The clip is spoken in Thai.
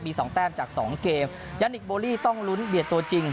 มีสองแต้มจากสองเกมยันนิคโบลี่ต้องลุ้นเบียดตัวจริง